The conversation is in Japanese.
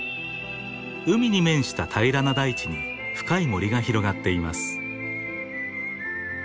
海に面した平らな大地に深い森が広がっています。